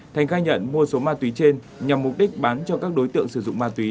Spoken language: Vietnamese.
thành khai nhận mua số ma túy trên nhằm mục đích bán cho các đối tượng sử dụng ma túy